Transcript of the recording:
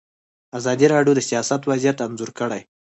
ازادي راډیو د سیاست وضعیت انځور کړی.